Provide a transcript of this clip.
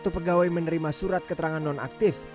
lima puluh satu pegawai menerima surat keterangan nonaktif